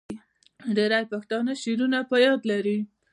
ډیری پښتانه شعرونه په یاد لري.